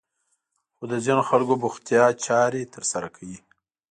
خو د ځينې خلکو بوختيا چارې ترسره کوي.